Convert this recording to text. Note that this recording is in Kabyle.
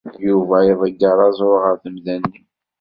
Yuba iḍegger aẓru ɣer temda-nni.